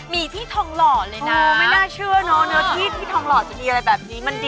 มีที่ท่องหล่อเลยนะ